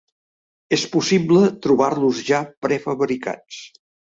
És possible trobar-los ja prefabricats.